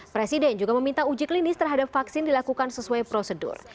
presiden juga meminta uji klinis terhadap vaksin dilakukan sesuai prosedur